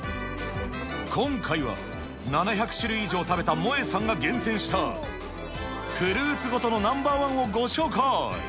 今回は７００種類以上食べたモエさんが厳選した、フルーツごとのナンバーワンをご紹介。